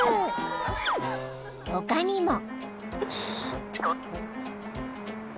［他にも］